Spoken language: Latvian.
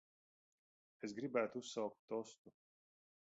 Es gribētu uzsaukt tostu.